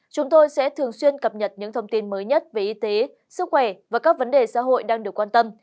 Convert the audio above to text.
chúng tôi sẽ thường xuyên cập nhật những thông tin mới nhất về y tế sức khỏe và các vấn đề xã hội đang được quan tâm